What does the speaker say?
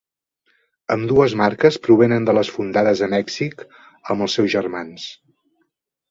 Ambdues marques provenen de les fundades a Mèxic amb els seus germans.